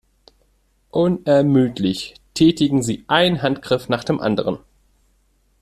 Unermüdlich tätigen sie einen Handgriff nach dem anderen.